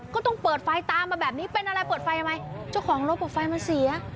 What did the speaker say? ก็ต้องเปิดไฟตามมาแบบนี้เป็นอะไรเปิดไฟทำไมเจ้าของรถบอกไฟมันเสีย